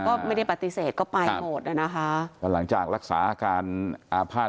ก็ไม่ได้ปฏิเสธก็ไปหมดอ่ะนะคะก็หลังจากรักษาอาการอาภาษณ